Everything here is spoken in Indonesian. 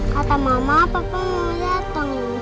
kata mama papa mau dateng